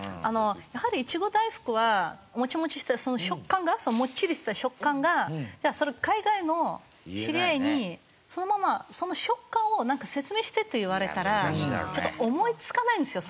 やはりいちご大福はモチモチした食感がモッチリした食感がそれを海外の知り合いにそのままその食感を説明してと言われたらちょっと思いつかないんですよ